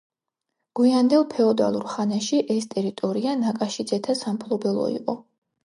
გვიანდელ ფეოდალურ ხანაში ეს ტერიტორია ნაკაშიძეთა სამფლობელო იყო.